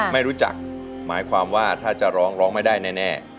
ไม่รู้จักหมายความว่าถ้าจะร้องร้องไม่ได้แน่